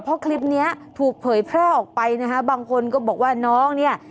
เพราะคลิปเนี้ยถูกเผยแพร่ออกไปนะคะบางคนก็บอกว่าน้องเนี่ย